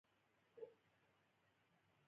علي ډېر خلک اروپا ته پورې ایستل.